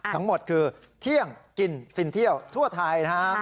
ทั้งหมดคือเที่ยงกินฟินเที่ยวทั่วไทยนะฮะ